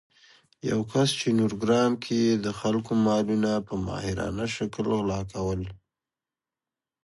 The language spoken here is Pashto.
یو کس چې نورګرام کې يې د خلکو مالونه په ماهرانه شکل غلا کول